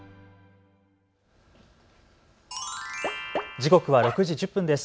時刻は６時１０分です。